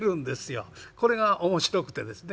これが面白くてですね